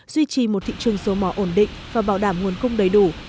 duy trì một thị trường dầu mỏ ổn định và bảo đảm nguồn cung đầy đủ